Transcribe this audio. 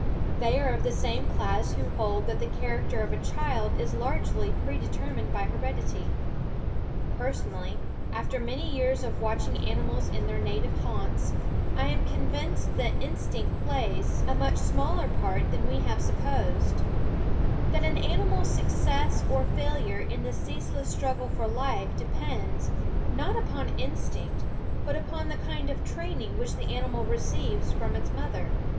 They are of the same class who hold that the character of a child is largely predetermined by heredity. Personally, after many years of watching animals in their native haunts, I am con vinced that instinct plays a much smaller ^ SCHOOL OF part than we have supposed; that an ani f) ff W ma l' s success or failure in the ceaseless stru ggl e f r life depends, not upon instinct, but upon the kind of training which the animal receives from its mother.